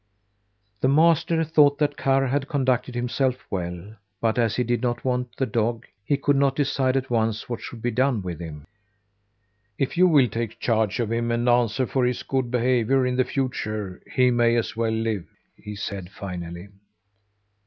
The master thought that Karr had conducted himself well, but as he did not want the dog, he could not decide at once what should be done with him. "If you will take charge of him and answer for his good behaviour in the future, he may as well live," he said, finally.